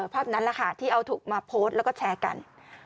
ภาพนั้นแหละค่ะที่เอาถูกมาโพสต์แล้วก็แชร์กัน